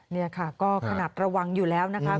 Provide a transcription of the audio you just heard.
นี่ค่ะก็ขนาดระวังอยู่แล้วนะคะ